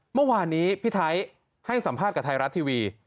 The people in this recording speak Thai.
เมื่อวานนี้พี่ไทยให้สัมภาษณ์กับไทยรัฐทีวี